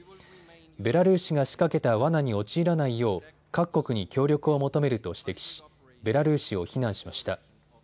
ベラルーシが仕掛けたわなに陥らないよう各国に協力を求めると指摘しベラルーシを非難しました。